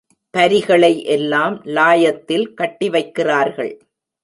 பரிகளை எல்லாம் லாயத்தில் கட்டி வைக்கிறார்கள்.